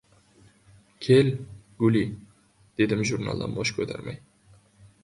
— Kel, Guli, — dedim jurnaldan bosh ko‘tarmay.